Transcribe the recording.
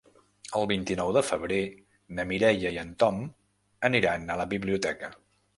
El vint-i-nou de febrer na Mireia i en Tom aniran a la biblioteca.